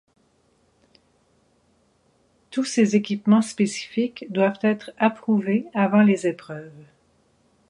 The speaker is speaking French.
Tous ces équipements spécifiques doivent être approuvés avant les épreuves.